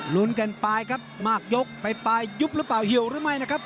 ลุ้นกันไปครับมากยกไปปลายยุบหรือเปล่าเหี่ยวหรือไม่นะครับ